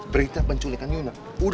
terima kasih tolong